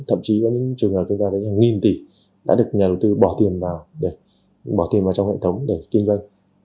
thậm chí có những trường hợp chúng ta đến hàng nghìn tỷ đã được nhà đầu tư bỏ tiền vào trong hệ thống để kiên doanh